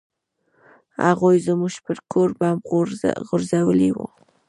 هغوى زموږ پر کور بم غورځولى و.